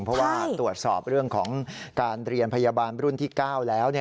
เพราะว่าตรวจสอบเรื่องของการเรียนพยาบาลรุ่นที่๙แล้ว